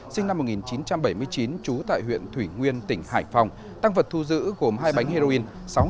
sinh năm một nghìn chín trăm bảy mươi chín trú tại huyện thủy nguyên tỉnh hải phòng tăng vật thu giữ gồm hai bánh heroin